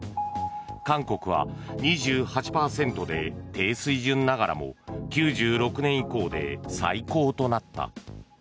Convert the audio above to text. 韓国は、２８％で低水準ながらも９６年以降で最高となった。